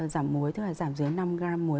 giảm muối tức là giảm dưới năm g muối